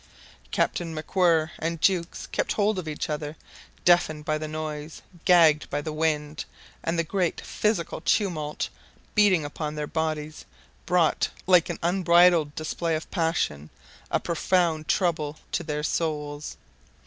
Captain MacWhirr and Jukes kept hold of each other, deafened by the noise, gagged by the wind; and the great physical tumult beating about their bodies, brought, like an unbridled display of passion, a profound trouble to their souls.